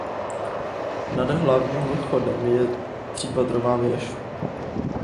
Nad hlavním vchodem je třípatrová věž.